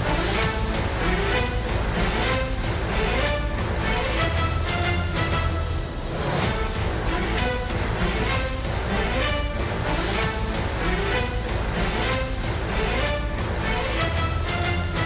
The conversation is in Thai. โปรดติดตามตอนต่อไป